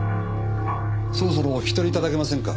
そろそろお引き取りいただけませんか。